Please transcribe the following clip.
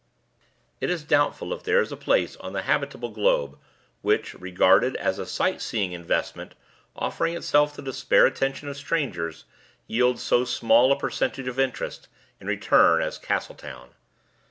It is doubtful if there is a place on the habitable globe which, regarded as a sight seeing investment offering itself to the spare attention of strangers, yields so small a percentage of interest in return as Castletown.